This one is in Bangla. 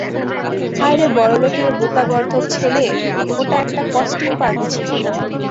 হায়রে বড়লোকের বোকাগর্দভ ছেলে, ওটা একটা কস্টিউম পার্টি ছিল!